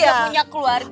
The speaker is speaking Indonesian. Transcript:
udah punya keluarga